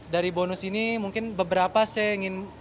dari bonus ini mungkin beberapa saya ingin